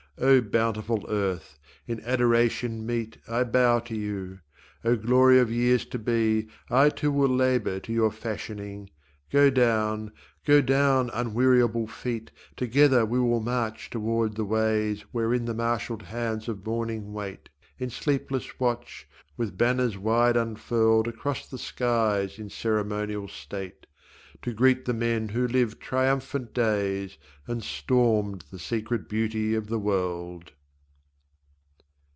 O bountiful earth, in adoration meet I bow to you; O glory of years to be, I too will labour to your fashioning. Go down, go down, unweariable feet, Together we will march towards the ways Wherein the marshalled hosts of morning wait In sleepless watch, with banners wide unfurled Across the skies in ceremonial state, To greet the men who lived triumphant days, And stormed the secret beauty of the world.